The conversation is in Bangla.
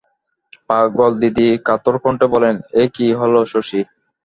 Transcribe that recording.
পাগলদিদি কাতরকণ্ঠে বলেন, এ কী হল শশী?